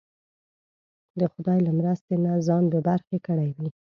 د خدای له مرستې نه ځان بې برخې کړی وي.